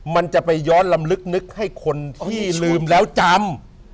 มันจะไปย้อนลำลึกนึกให้คนที่ลืมแล้วจำ